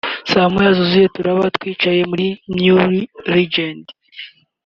saa moya zuzuye turaba twicaye muri New legend